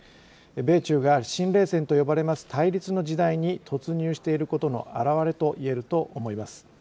米中が新冷戦と呼ばれます対立の時代に突入していることの表れといえると思います。